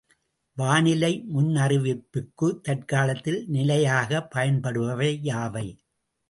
வானிலை முன்னறிவிப்பிற்குத் தற்காலத்தில் நிலையாகப் பயன்படுபவை யாவை?